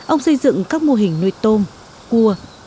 ông xây dựng các mô hình nuôi tôm cua